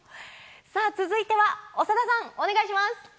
さあ、続いては長田さん、お願いします。